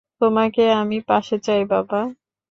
তোমাকে আমি পাশে চাই, বাবা।